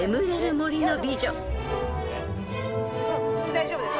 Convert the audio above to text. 大丈夫です。